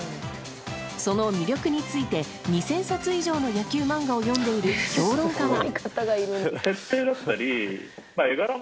その魅力について２０００冊以上の野球漫画を読んでいる評論家は。